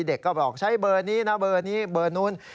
เด็กก็บอกใช้เบอร์นี้นะเบอร์นี้เบอร์นู้น